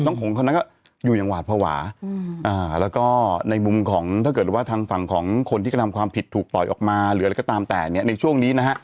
ผงคนนั้นก็อยู่อย่างหวาดภาวะแล้วก็ในมุมของถ้าเกิดว่าทางฝั่งของคนที่กระทำความผิดถูกปล่อยออกมาหรืออะไรก็ตามแต่เนี่ยในช่วงนี้นะฮะ